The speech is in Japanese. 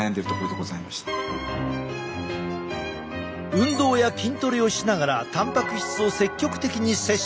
運動や筋トレをしながらたんぱく質を積極的に摂取。